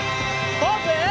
ポーズ！